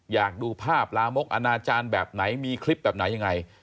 อยากดูภาพลามกอนาจารย์แบบไหนมีคลิปแบบไหนยังไง